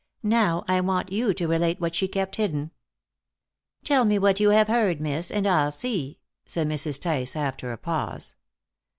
Now, I want you to relate what she kept hidden." "Tell me what you have heard, miss, and I'll see," said Mrs. Tice, after a pause.